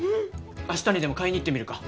明日にでも買いに行ってみるか！